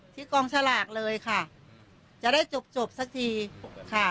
กองสลากเลยค่ะจะได้จบจบสักทีค่ะ